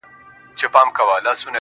ژوند سرینده نه ده، چي بیا یې وږغوم~